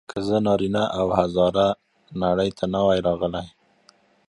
که زه نارینه او هزاره نړۍ ته نه وای راغلی.